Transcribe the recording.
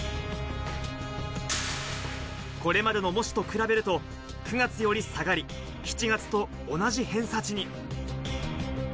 これまでの模試と比べると、９月より下がり、７月と同じ偏差値に。